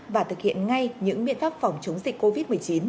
và thực hiện ngay những biện pháp phòng chống dịch covid một mươi chín